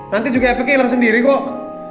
nanti juga efeknya hilang sendiri kok